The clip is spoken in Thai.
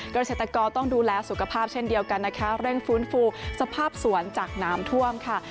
เกษตรกรต้องดูแลสุขภาพเช่นเดียวกันนะคะเร่งฟื้นฟูสภาพสวนจากน้ำท่วมค่ะ